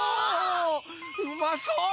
うまそう！